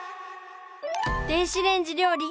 電子レンジ料理